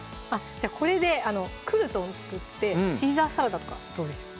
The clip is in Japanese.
じゃあこれでクルトン作って「シーザーサラダ」とかどうでしょう